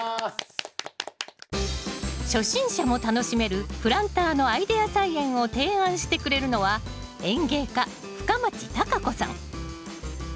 初心者も楽しめるプランターのアイデア菜園を提案してくれるのは園芸家深町貴子さん。